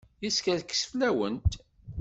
Yeskerkes fell-awent.